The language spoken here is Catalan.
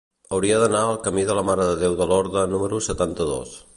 Hauria d'anar al camí de la Mare de Déu de Lorda número setanta-dos.